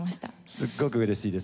すっごく嬉しいです